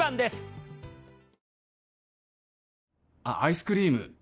あっアイスクリーム